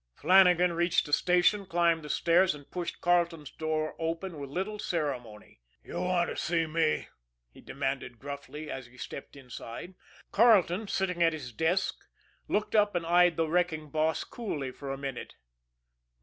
Flannagan reached the station, climbed the stairs, and pushed Carleton's door open with little ceremony. "You want to see me?" he demanded gruffly, as he stepped inside. Carleton, sitting at his desk, looked up and eyed the wrecking boss coolly for a minute.